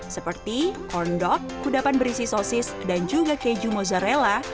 seperti corndok kudapan berisi sosis dan juga keju mozzarella